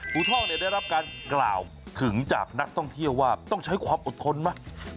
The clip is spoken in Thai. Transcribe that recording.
ท่องเนี่ยได้รับการกล่าวถึงจากนักท่องเที่ยวว่าต้องใช้ความอดทนไหม